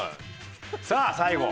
さあ最後。